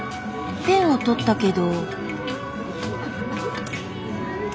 ペンを取ったけど。